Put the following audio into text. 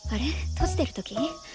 閉じてる時？